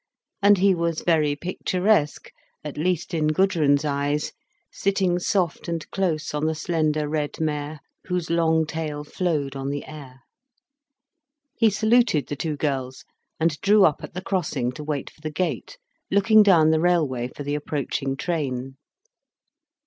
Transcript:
And he was very picturesque, at least in Gudrun's eyes, sitting soft and close on the slender red mare, whose long tail flowed on the air. He saluted the two girls, and drew up at the crossing to wait for the gate, looking down the railway for the approaching train.